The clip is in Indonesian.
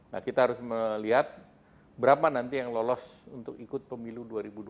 nah kita harus melihat berapa nanti yang lolos untuk ikut pemilu dua ribu dua puluh